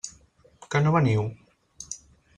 Que no veniu?